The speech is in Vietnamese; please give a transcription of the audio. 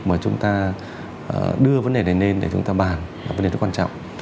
mà chúng ta đưa vấn đề này lên để chúng ta bàn là vấn đề rất quan trọng